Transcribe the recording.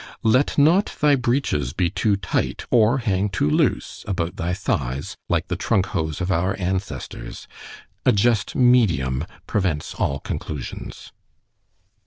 Let not thy breeches be too tight, or hang too loose about thy thighs, like the trunk hose of our ancestors. ——A just medium prevents all conclusions.